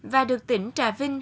và được tỉnh trà vinh